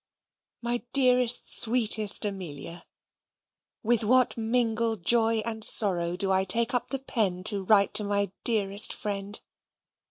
MY DEAREST, SWEETEST AMELIA, With what mingled joy and sorrow do I take up the pen to write to my dearest friend!